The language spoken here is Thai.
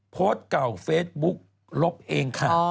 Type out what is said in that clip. โพสต์เก่าเฟซบุ๊กลบเองค่ะ